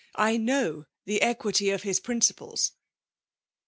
I know the equity of Ui principles.''